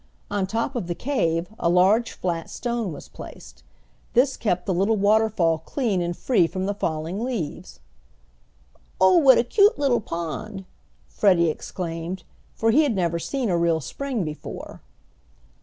On top of the cave a large flat stone was placed. This kept the little waterfall clean and free from the falling leaves. "Oh, what a cute little pond!" Freddie exclaimed, for he had never seen a real spring before.